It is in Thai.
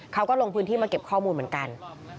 เขาก็ลงพื้นที่มาเก็บข้อมูลเหมือนกัน